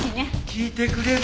聞いてくれる？